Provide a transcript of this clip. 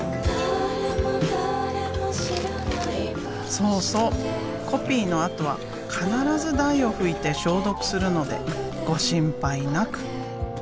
そうそうコピーのあとは必ず台を拭いて消毒するのでご心配なく。